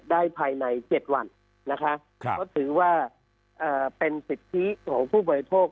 ได้ภายใน๗วันนะคะก็ถือว่าเป็นสิทธิของผู้บริโภค